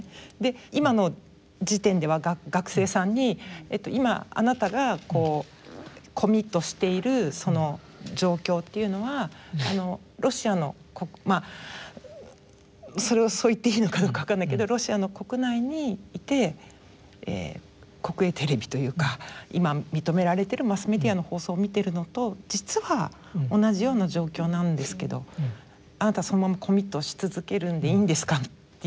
今の時点では学生さんに今あなたがコミットしているその状況というのはロシアのまあそれをそう言っていいのかどうかわからないけどロシアの国内にいて国営テレビというか今認められてるマスメディアの放送を見てるのと実は同じような状況なんですけどあなたそのままコミットし続けるんでいいんですかっていうね。